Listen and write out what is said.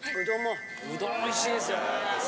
うどんおいしいですよ。